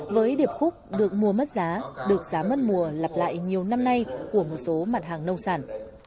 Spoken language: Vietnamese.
với điệp khúc được mua mất giá được giá mất mùa lặp lại nhiều năm nay của một số mặt hàng nông sản